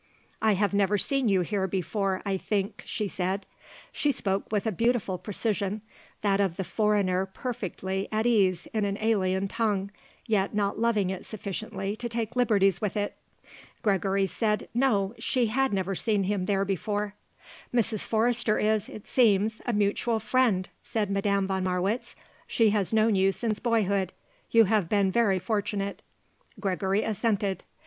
"I have never seen you here before, I think," she said. She spoke with a beautiful precision; that of the foreigner perfectly at ease in an alien tongue, yet not loving it sufficiently to take liberties with it. Gregory said, no, she had never seen him there before. "Mrs. Forrester is, it seems, a mutual friend," said Madame von Marwitz. "She has known you since boyhood. You have been very fortunate." Gregory assented.